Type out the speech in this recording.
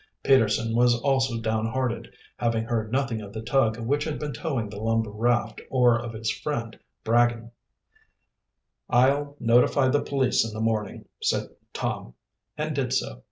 Peterson was also downhearted, having heard nothing of the tug which had been towing the lumber raft or of his friend Bragin. "I'll notify the police in the morning," said Tom, and did so.